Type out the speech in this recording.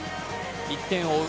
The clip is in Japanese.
１点を追う